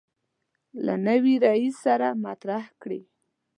له نوي رئیس سره مطرح کړي.